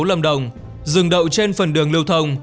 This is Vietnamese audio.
lâm đồng dừng đậu trên phần đường lưu thông